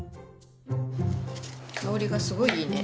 香りがすごいいいね。